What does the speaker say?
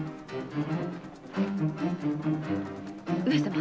上様。